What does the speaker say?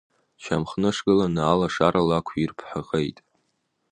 Дшьамхнышгыланы алашара лақәирԥхеит.